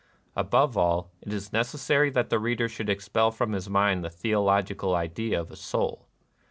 Above all, it is necessary that the reader should expel from his mind the theolo gical idea of Soul.